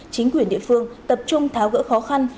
chính quyền địa phương tập trung tháo gỡ khó khăn